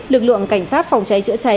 lực lượng cảnh sát phòng cháy chữa cháy